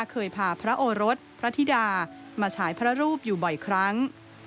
เคยพาพระโอรสพระธิดามาฉายพระรูปอยู่บ่อยครั้ง